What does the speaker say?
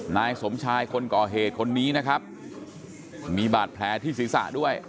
นายสมชายคนก่อเหตุคนนี้นะครับมีบาดแผลที่ศีรษะด้วย